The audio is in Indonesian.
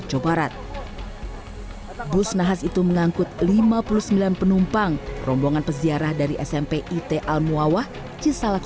jawa barat bus nahas itu mengangkut lima puluh sembilan penumpang rombongan peziarah dari smp it al muwawah cisalak